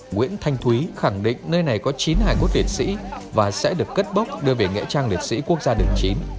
nguyễn thanh thúy khẳng định nơi này có chín hải cốt liệt sĩ và sẽ được cất bốc đưa về nghệ trang liệt sĩ quốc gia đường chín